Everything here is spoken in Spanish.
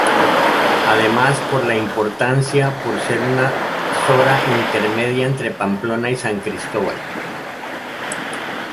Además por la importancia por ser una zora intermedia entre Pamplona y San Cristóbal.